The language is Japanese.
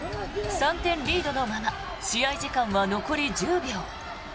３点リードのまま試合時間は残り１０秒。